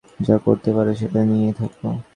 যা করতে পার সেটা নিয়েই থাক।